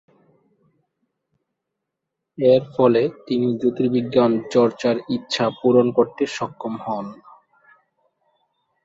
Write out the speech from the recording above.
এর ফলে তিনি জ্যোতির্বিজ্ঞান চর্চার ইচ্ছা পূরণ করতে সক্ষম হন।